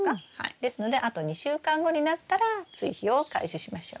ですのであと２週間後になったら追肥を開始しましょう。